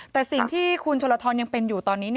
แต่สิ่งที่คุณชลทรยังเป็นอยู่ตอนนี้